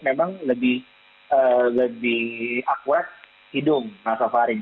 memang lebih akurat hidung nasofaring